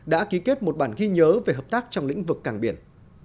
đã ký kết một bản ghi nhớ về hợp tác trong lĩnh vực càng biển